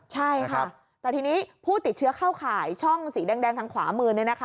ใช่ค่ะแต่ทีนี้ผู้ติดเชื้อเข้าข่ายช่องสีแดงทางขวามือ